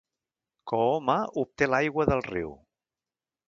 Cooma obté l'aigua del riu.